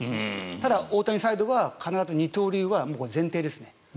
ただ、大谷サイドは必ず二刀流は前提ですね。